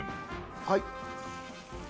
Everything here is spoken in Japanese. はい。